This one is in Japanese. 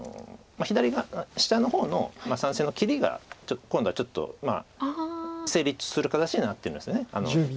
下の方の３線の切りが今度はちょっと成立する形にはなってます。